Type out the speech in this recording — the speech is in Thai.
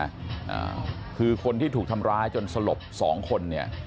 อ่าคือคนที่ถูกทำร้ายจนสลบสองคนเนี่ย